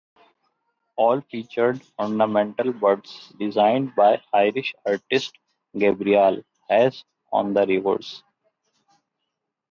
All featured ornamental birds designed by Irish artist Gabriel Hayes on the reverse.